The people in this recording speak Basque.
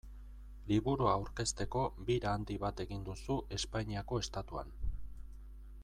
Liburua aurkezteko bira handi bat egin duzu Espainiako Estatuan.